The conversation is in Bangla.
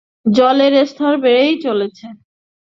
জলর স্তর বেড়েই চলেছে।